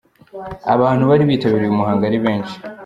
Abantu bari bitabiriye uyu muhango ari benshi.